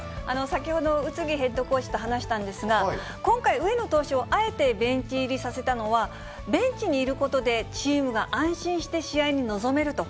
先ほど、宇津木ヘッドコーチと話したんですが、今回、上野投手をあえてベンチ入りさせたのは、ベンチにいることで、チームが安心して試合に臨めると。